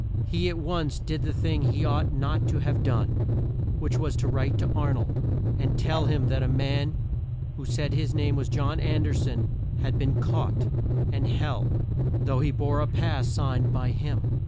He at once did the thing he ought not to have done, which was to write to Ar nold, and tell him that a man who said his name was John An derson had been caught, and held, though he bore a pass signed by him.